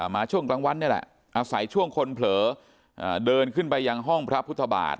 มาช่วงกลางวันนี่แหละอาศัยช่วงคนเผลอเดินขึ้นไปยังห้องพระพุทธบาท